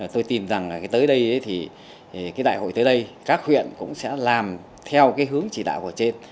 tôi tin rằng tới đây đại hội tới đây các huyện cũng sẽ làm theo hướng chỉ đạo của trên